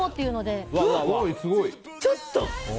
ちょっと！